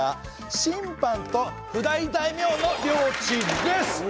親藩と譜代大名の領地です。